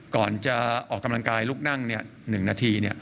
ก่อนจะออกกำลังกายลุกนั่ง๑นาที